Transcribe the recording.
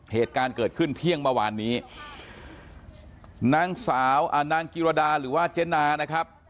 เหตุการณ์เกิดขึ้นเที่ยงเมื่อวานนี้นางสาวอ่านางกิรดาหรือว่าเจ๊นานะครับ